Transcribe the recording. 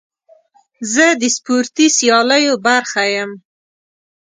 زه د سپورتي سیالیو برخه یم.